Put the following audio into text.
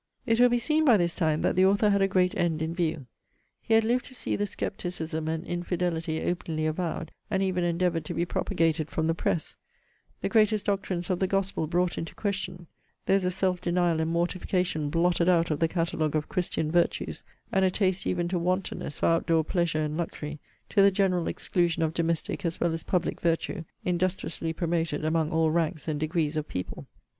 It will be seen, by this time, that the author had a great end in view. He had lived to see the scepticism and infidelity openly avowed, and even endeavoured to be propagated from the press; the greatest doctrines of the Gospel brought into question; those of self denial and mortification blotted out of the catalogue of christian virtues; and a taste even to wantonness for out door pleasure and luxury, to the general exclusion of domestic as well as public virtue, industriously promoted among all ranks and degrees of people.